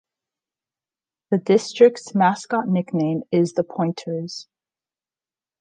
The district's mascot nickname is the Pointers.